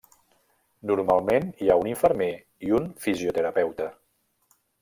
Normalment hi ha un infermer i un fisioterapeuta.